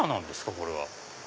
これは。